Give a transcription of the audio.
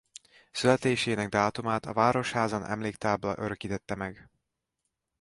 Születésének dátumát a Városházán emléktábla örökítette meg.